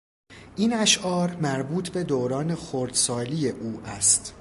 این اشعار مربوط به دوران خردسالی او است.